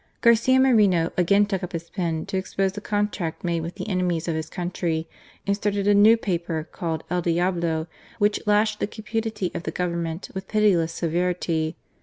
Garcia Moreno again took up his pen to expose the contract made with the enemies of his country, and started a new paper called El Diablo, which lashed the cupidity of the Government with pitiless severity.